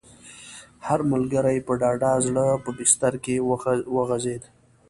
هر ملګری په ډاډه زړه په بستره کې وغځېد.